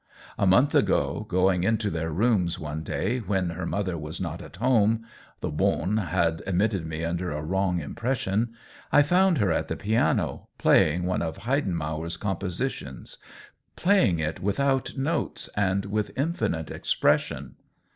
A month ago, going into their rooms one day when her mother was not at home (the bo7ine had admitted me under a wrong impression) I found her at the piano, playing one of Hei denmauer's compositions — playing it with out notes and with infinite expression.